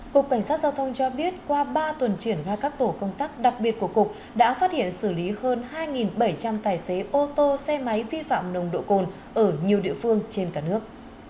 cục cảnh sát giao thông cho biết qua ba tuần triển ra các tổ công tác đặc biệt của cục đã phát hiện xử lý hơn hai bảy trăm linh tài xế ô tô xe máy vi phạm nồng độ cồn ở nhiều địa phương trên cả nước